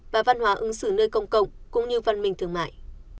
và văn hóa ứng xử nơi công cộng cũng như văn minh thương mại